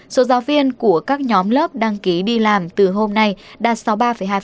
số giáo viên của các nhóm lớp đăng ký đi làm từ hôm nay đạt sau ba hai